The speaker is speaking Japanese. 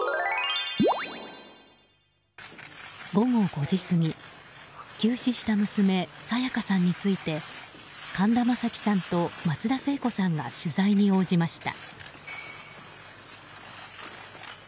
午後５時すぎ急死した娘・沙也加さんについて神田正輝さんと松田聖子さんが取材に応じました。